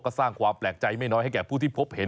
ก็สร้างความแปลกใจไม่น้อยให้แก่ผู้ที่พบเห็น